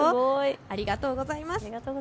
ありがとうございます。